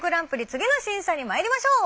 次の審査にまいりましょう。